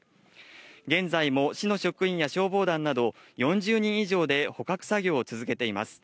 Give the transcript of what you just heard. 現在も市の職員や消防団など、４０人以上で捕獲作業を続けています。